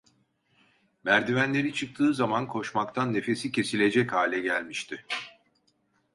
Merdivenleri çıktığı zaman koşmaktan nefesi kesilecek hale gelmişti.